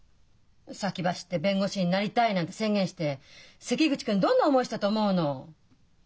先走って「弁護士になりたい」なんて宣言して関口君どんな思いしたと思うの？